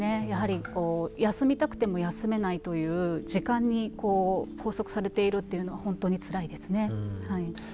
やはりこう休みたくても休めないという時間にこう拘束されているっていうのはほんとに辛いですね。